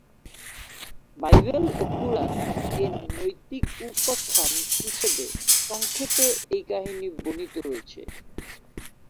Bible ও Quran এ নৈতিক উপাখ্যান হিসেবে সংক্ষেপে এই কাহিনী বর্ণিত রয়েছে।